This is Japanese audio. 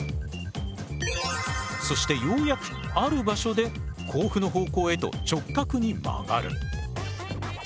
そしてようやくある場所で甲府の方向へと直角に曲がる。